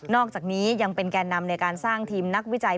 อกจากนี้ยังเป็นแก่นำในการสร้างทีมนักวิจัย